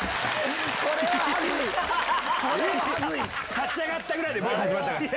立ち上がったぐらいでＶＴＲ始まったから。